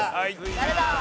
誰だ？